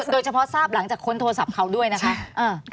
โดยเฉพาะทราบหลังจากค้นโทรศัพท์เขาด้วยนะคะ